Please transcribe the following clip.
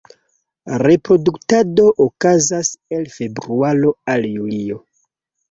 Reproduktado okazas el februaro al junio.